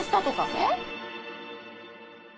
えっ！